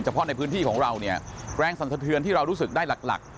เพราะในพื้นที่ของเราเนี่ยแรงสันสะเทือนที่เรารู้สึกได้หลัก